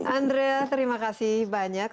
andrea terima kasih banyak